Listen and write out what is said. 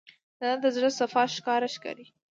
جانداد د زړه صفا ښکاره ښکاري.